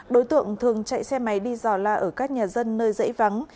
đối tượng thường chạy xe máy đi dò la ở các nhà dân nơi dãy vắng